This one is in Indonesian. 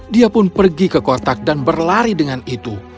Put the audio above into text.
dia pun pergi ke kotak dan berlari dengan itu